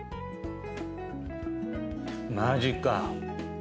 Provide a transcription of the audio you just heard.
マジか。